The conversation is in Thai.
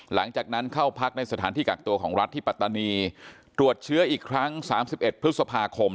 หลังจากนั้นเข้าพักในสถานที่กักตัวของรัฐที่ปัตตานีตรวจเชื้ออีกครั้ง๓๑พฤษภาคม